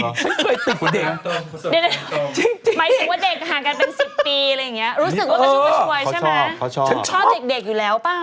หมายถึงว่าเด็กห่างกันเป็น๑๐ปีอะไรอย่างนี้รู้สึกว่ากระชุมกระชวยใช่มั้ย